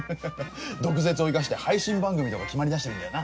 毒舌を生かして配信番組とか決まり出してるんだよな。